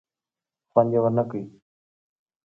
خوند یې ور نه کړ.